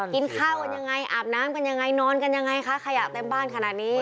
กินข้าวกันยังไงอาบน้ำกันยังไงนอนกันยังไงคะขยะเต็มบ้านขนาดนี้